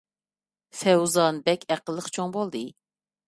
فەۋزان بەك ئەقىللىق چوڭ بولدى